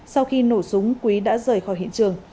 sau khi nổ súng quý đã rời khỏi hiện trường